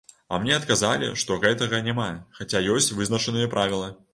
А мне адказалі, што гэтага няма, хаця ёсць вызначаныя правілы.